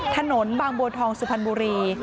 ถนนบางบวนทองสุพันธ์บุรี